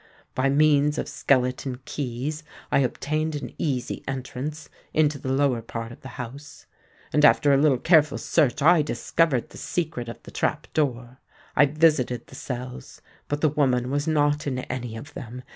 By means of skeleton keys I obtained an easy entrance into the lower part of the house; and, after a little careful search, I discovered the secret of the trap door. I visited the cells; but the woman was not in any of them.